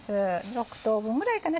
６等分ぐらいかな